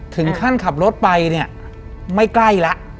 ถึงขั้นขับรถไปเนี่ยไม่ใกล้แล้ว